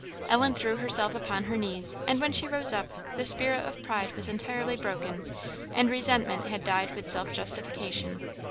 Ellen threw herself upon her knees, and when she rose up, the spirit of pride was entirely broken, and resentment had died with self justification.